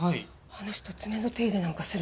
あの人爪の手入れなんかするんだ。